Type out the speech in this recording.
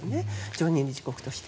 常任理事国として。